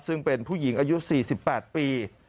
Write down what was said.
ซึ่งเป็นผู้หญิงอายุ๔๘ปี